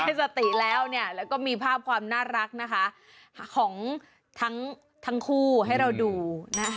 สติแล้วเนี่ยแล้วก็มีภาพความน่ารักนะคะของทั้งคู่ให้เราดูนะคะ